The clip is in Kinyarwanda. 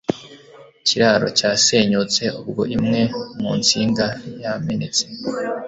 ikiraro cyasenyutse ubwo imwe mu nsinga yamenetse